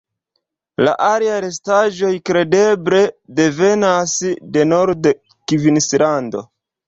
La aliaj restaĵoj kredeble devenas de norda Kvinslando.